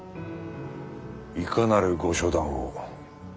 いかなるご処断を？